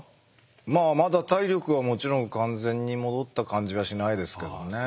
まあまだ体力はもちろん完全に戻った感じはしないですけどね。